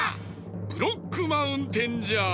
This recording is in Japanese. ブロックマウンテンじゃ！